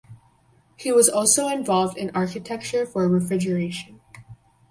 He was also involved in architecture for refrigeration.